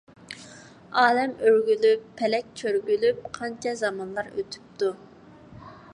ئالەم ئۆرگۈلۈپ، پەلەك چۆرگۈلۈپ، قانچە زامانلار ئۆتۈپتۇ.